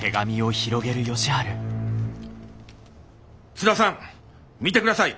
「津田さん見てください。